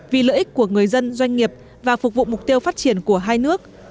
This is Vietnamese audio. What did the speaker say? vì lợi ích của người dân doanh nghiệp và phục vụ mục tiêu phát triển của hai nước